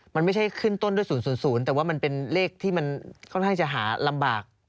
มันไม่ใช่ขึ้นต้นด้วย๐๐แต่ว่ามันเป็นเลขที่มันค่อนข้างจะหาลำบาก